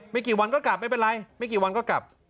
กี่วันก็กลับไม่เป็นไรไม่กี่วันก็กลับ